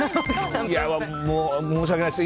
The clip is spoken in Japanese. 申し訳ないです。